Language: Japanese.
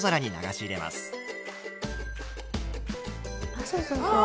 あそうそうそう。